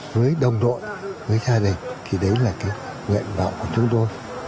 với một đồng đội với gia đình của chúng ta